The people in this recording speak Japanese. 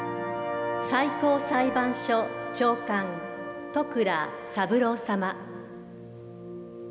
最高裁判所長官、戸倉三郎様。